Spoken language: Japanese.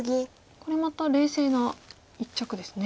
これまた冷静な一着ですね。